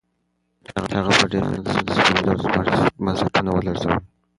هغه په ډېر مېړانه د صفوي دولت بنسټونه ولړزول.